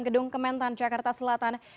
gedung kementerian pertanian jakarta selatan